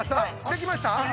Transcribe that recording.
できました？